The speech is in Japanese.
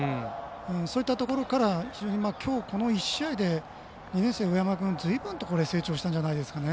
そういったところから非常にきょう、この１試合で２年生の上山君ずいぶんと成長したんじゃないですかね。